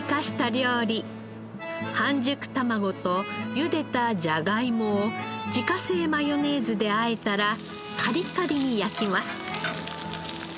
半熟たまごとゆでたじゃがいもを自家製マヨネーズであえたらカリカリに焼きます。